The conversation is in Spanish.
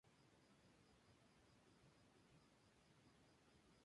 Un infame crítico de comida es encontrado muerto en un restaurante.